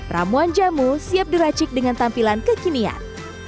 ramuan jamu siap diracik dengan tampilan kekinian